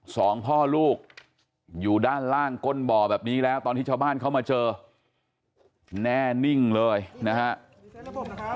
สองพ่อลูกอยู่ด้านล่างก้นบ่อแบบนี้แล้วตอนที่ชาวบ้านเข้ามาเจอแน่นิ่งเลยนะครับ